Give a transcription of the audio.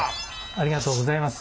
ありがとうございます。